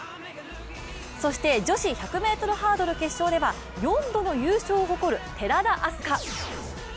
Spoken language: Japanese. そして、女子１００ｍハードル決勝では４度の優勝を誇る寺田明日香。